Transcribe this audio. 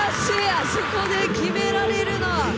あそこで決められるのは。